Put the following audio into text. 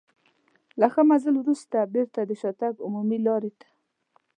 له ښه مزل وروسته بېرته د شاتګ عمومي لارې ته.